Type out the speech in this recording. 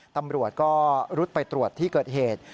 ตำรวจก็รุดไปตรวจที่เกิดเหตุ